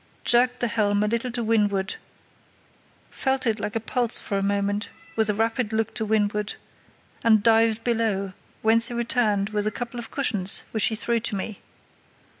jerked the helm a little to windward, felt it like a pulse for a moment, with a rapid look to windward, and dived below, whence he returned with a couple of cushions, which he threw to me.